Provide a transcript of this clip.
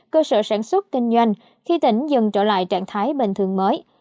cơ sở sản xuất kinh doanh khi tỉnh dần trở lại trạng thái bình thường mới